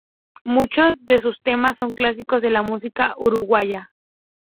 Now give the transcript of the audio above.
Muchos de sus temas son clásicos de la música uruguaya.